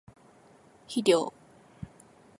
肥料